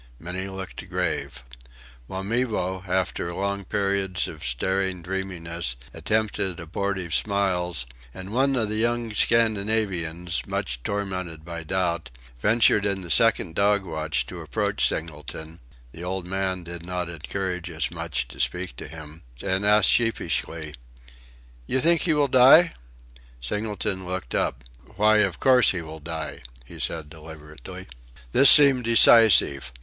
Many looked grave. Wamibo, after long periods of staring dreaminess, attempted abortive smiles; and one of the young Scandinavians, much tormented by doubt, ventured in the second dog watch to approach Singleton (the old man did not encourage us much to speak to him) and ask sheepishly: "You think he will die?" Singleton looked up. "Why, of course he will die," he said deliberately. This seemed decisive.